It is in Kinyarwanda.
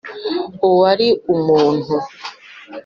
Uwari umuntu